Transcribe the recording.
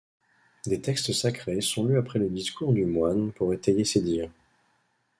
Des textes sacrés sont lus après le discours du moine pour étayer ses dires.